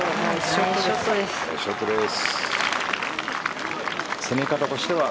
ナイスショットです。